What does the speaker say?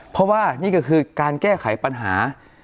เพราะว่านี่ก็คือการแก้ไขปัญหา